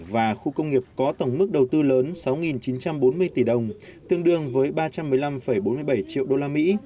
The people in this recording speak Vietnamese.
và khu công nghiệp có tổng mức đầu tư lớn sáu chín trăm bốn mươi tỷ đồng tương đương với ba trăm một mươi năm bốn mươi bảy triệu đô la mỹ